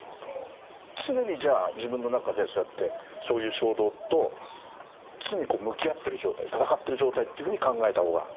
常にじゃあ自分の中でそうやってそういう衝動と常に向き合ってる状態闘ってる状態っていうふうに考えた方が。